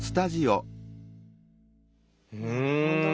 うん！